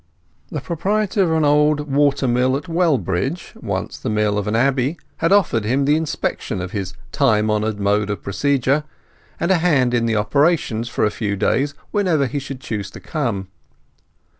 The proprietor of a large old water mill at Wellbridge—once the mill of an Abbey—had offered him the inspection of his time honoured mode of procedure, and a hand in the operations for a few days, whenever he should choose to come.